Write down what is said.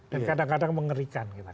dan kadang kadang mengerikan